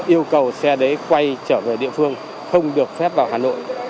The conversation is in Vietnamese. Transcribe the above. yêu cầu xe đấy quay trở về địa phương không được phép vào hà nội